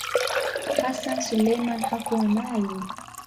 Hassan Suleiman hakuwa nayo.